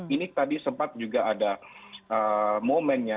ini tadi sempat juga ada momennya